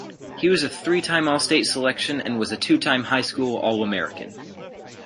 He was a three-time all-state selection and was a two-time High School All-American.